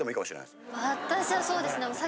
私はそうですね。